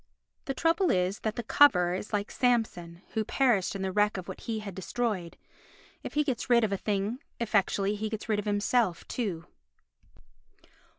The trouble is that the coverer is like Samson who perished in the wreck of what he had destroyed; if he gets rid of a thing effectually he gets rid of himself too.